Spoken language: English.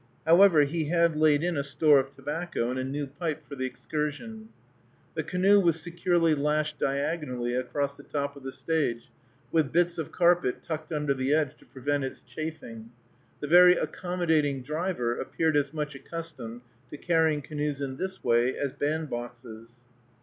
However, he had laid in a store of tobacco and a new pipe for the excursion. The canoe was securely lashed diagonally across the top of the stage, with bits of carpet tucked under the edge to prevent its chafing. The very accommodating driver appeared as much accustomed to carrying canoes in this way as bandboxes.